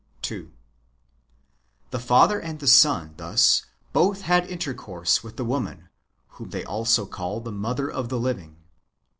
2. The father and son thus both had intercourse with the woman (whom they also call the mother of the living).